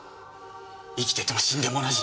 生きてても死んでも同じ。